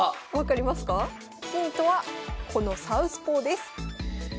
ヒントはこのサウスポーです。